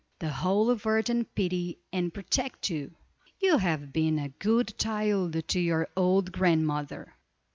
The Holy Virgin pity and protect you; you have been a good child to your old grandmother."